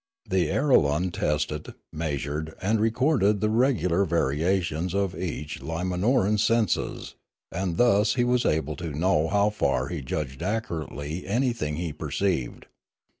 The airolan tested, measured, and recorded the regular vari ations of each Limanoran's senses, and thus he was able to know how far he judged accurately anything he perceived.